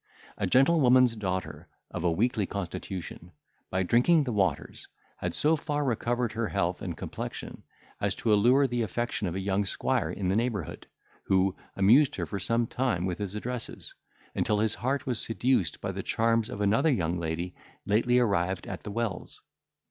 A gentlewoman's daughter, of a weakly constitution, by drinking the waters, had so far recovered her health and complexion, as to allure the affection of a young squire in the neighbourhood, who amused her for some time with his addresses, until his heart was seduced by the charms of another young lady lately arrived at the wells.